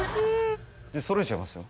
揃えちゃいますよ？